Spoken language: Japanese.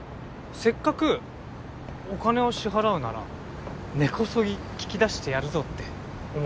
せっかくお金を支払うなら根こそぎ聞き出してやるぞって思ってます。